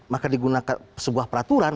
maka digunakan sebuah peraturan